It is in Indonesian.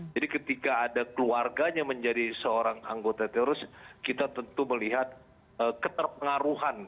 jadi ketika ada keluarganya menjadi seorang anggota terorisme kita tentu melihat keterpengaruhan